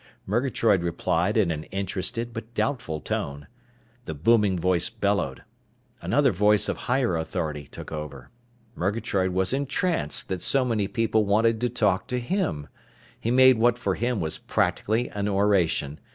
Murgatroyd replied in an interested but doubtful tone. The booming voice bellowed. Another voice of higher authority took over. Murgatroyd was entranced that so many people wanted to talk to him. He made what for him was practically an oration.